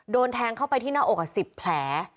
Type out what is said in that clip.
โดนแทงเข้าไปที่หน้าอก๑๐แผล